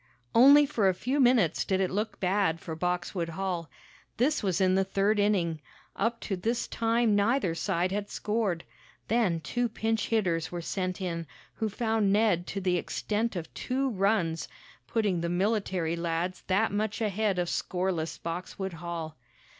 Only for a few minutes did it look bad for Boxwood Hall. This was in the third inning. Up to this time neither side had scored. Then two pinch hitters were sent in, who found Ned to the extent of two runs, putting the military lads that much ahead of scoreless Boxwood Hall.